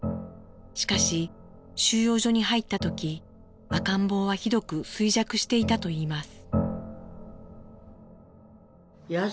しかし収容所に入った時赤ん坊はひどく衰弱していたといいます。